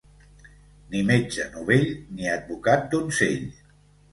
Ni metge novell, ni advocat donzell.